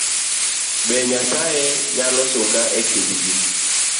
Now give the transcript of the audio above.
Be Nyasaye nyalo sunga ekind ji?